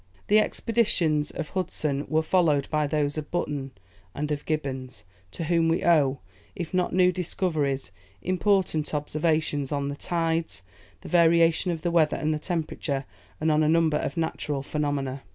] The expeditions of Hudson were followed by those of Button and of Gibbons, to whom we owe, if not new discoveries, important observations on the tides, the variation of the weather and the temperature, and on a number of natural phenomena.